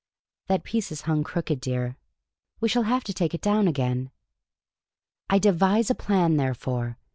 (That piece is hung crooked, dear ; we shall have to take it down again.) I devise a Plan, therefore.